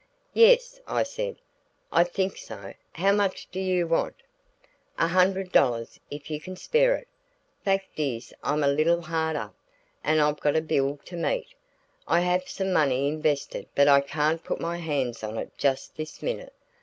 "Yes," I said, "I think so; how much do you want?" "A hundred dollars if you can spare it. Fact is I'm a little hard up, and I've got a bill to meet. I have some money invested but I can't put my hands on it just this minute.